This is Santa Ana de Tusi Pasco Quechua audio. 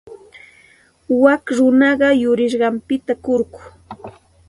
Wak runaqa yurisqanpita kurku.